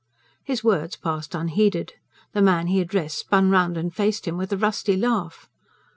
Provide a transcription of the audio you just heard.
His words passed unheeded. The man he addressed spun round and faced him, with a rusty laugh.